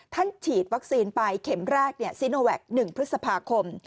ฉีดวัคซีนไปเข็มแรกซีโนแวค๑พฤษภาคม